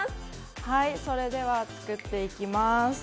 それでは作っていきます